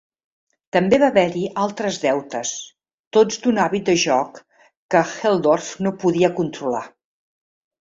També va haver-hi altres deutes, tots d'un hàbit de joc que Helldorff no podia controlar.